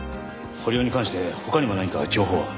堀尾に関して他にも何か情報は？